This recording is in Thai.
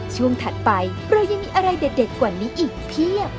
ถัดไปเรายังมีอะไรเด็ดกว่านี้อีกเพียบ